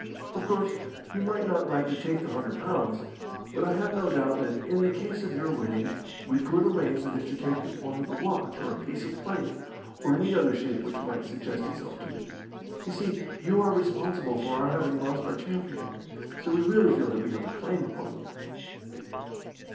Of course, you might not like to take the hundred pounds; but I have no doubt that, in the case of your winning, we could arrange that it should take the form of a watch or piece of plate, or any other shape which might suggest itself to you. You see, you are responsible for our having lost our champion, so we really feel that we have a claim upon you."